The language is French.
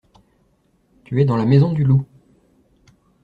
Tu es dans la maison du loup.